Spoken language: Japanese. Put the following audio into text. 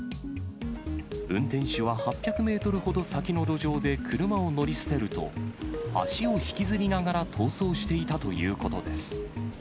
運転手は８００メートルほど先の路上で車を乗り捨てると、足を引きずりながら逃走していたということです。